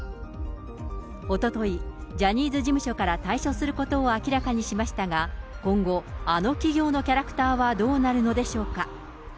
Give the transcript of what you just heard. おととい、ジャニーズ事務所から退所することを明らかにしましたが、今後、あの企業のキャラクターはどうなるのでしょうか。